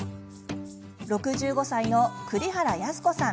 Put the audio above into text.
６５歳の栗原康子さん。